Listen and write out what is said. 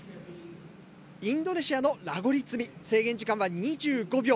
インドネシアのラゴリ積み制限時間は２５秒。